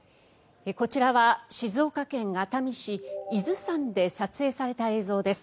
こちらは静岡県熱海市伊豆山で撮影された映像です。